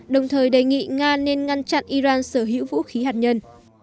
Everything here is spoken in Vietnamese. đồng thời đề nghị nga nên ngăn chặn iran sở hữu vũ khí hạt nhân